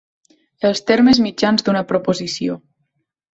Els termes mitjans d'una proposició.